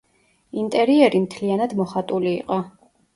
ინტერიერი მთლიანად მოხატული იყო.